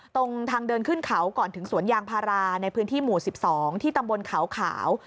ตรงทางเดินขึ้นเขาก่อนถึงสวนยางพาราในพื้นที่หมู่๑๒ที่ตำบลเขาขาว